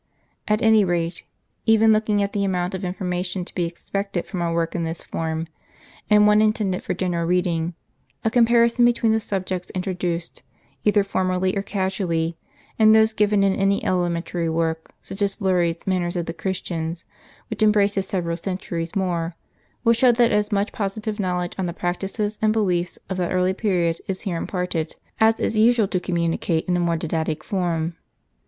At any rate, even looking at the amount of information to be expected from a work in this form, and one intended for general reading, a comparison between the subjects introduced, either formally or casu ally, and those given in any elementary work, such as Fleury's Man ners of tJie Christians, which embraces several centuries more, will show that as much positive knowledge on the practices and belief of that early peiiod is here imparted, as it is usual to communicate in a more didactic form.